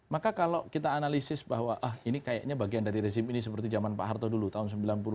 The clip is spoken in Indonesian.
maka kalau kita analisis bahwa ini kayaknya bagian dari rezim ini seperti zaman pak harto dulu tahun sembilan puluh lima